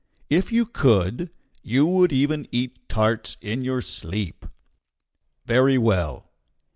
If you could, you would even eat tarts in your sleep. Very well.